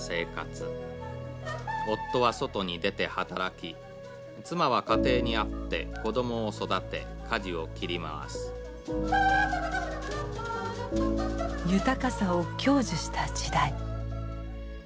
夫は外に出て働き妻は家庭にあって子どもを育て家事を切り回す豊かさを享受した時代。